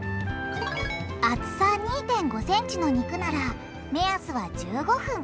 厚さ２．５センチの肉なら目安は１５分。